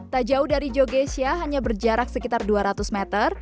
tak jauh dari jogesia hanya berjarak sekitar dua ratus meter